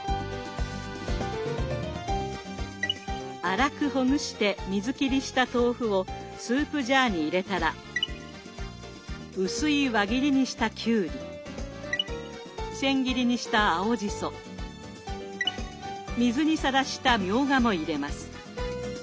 粗くほぐして水切りした豆腐をスープジャーに入れたら薄い輪切りにしたきゅうりせん切りにした青じそ水にさらしたみょうがも入れます。